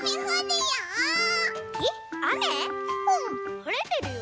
はれてるよ。